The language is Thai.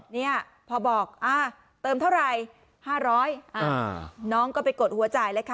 เนี่ยพอบอกเติมเท่าไหร่๕๐๐น้องก็ไปกดหัวจ่ายเลยค่ะ